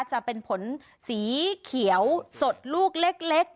จะเป็นผลสีเขียวสดลูกเล็ก